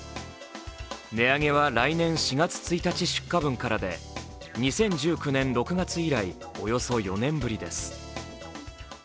値上げは来年４月１日出荷分からで２０１９年６月以来およそ４年ぶりです。